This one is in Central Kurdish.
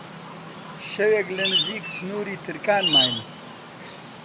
شەوێک لە نزیک سنووری ترکان ماین